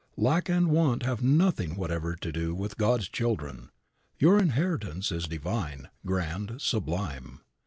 Lack and want have nothing whatever to do with God's children. Your inheritance is divine, grand, sublime.